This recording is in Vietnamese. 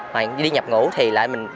hoặc đi nhập ngũ thì lại mình